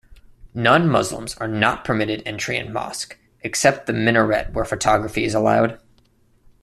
Non-Muslims are not permitted entry in mosque, except the minaret where photography is allowed.